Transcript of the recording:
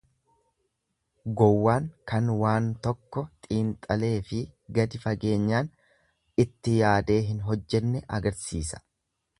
Gowwaan kan waan tokko xiinxaleefi gadi fageenyaan itti yaadee hin hojjenne agarsiisa.